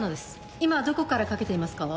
今どこからかけていますか？